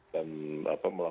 dan apa melakukan sesuatu